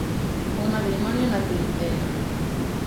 Un matrimonio na trintena.